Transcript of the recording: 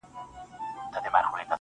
نسه ـ نسه يو داسې بله هم سته~